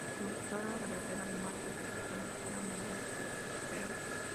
Como resultado, La verdadera masa del planeta será mayor que la esperada.